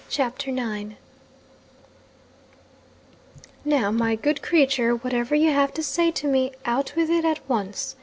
CHAPTER IX 'Now, my good creature, whatever you have to say to me, out with it at once!